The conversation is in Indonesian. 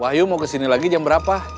wahyu mau kesini lagi jam berapa